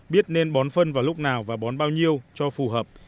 biết nên bón phân vào lúc nào và bón bao nhiêu cho phù hợp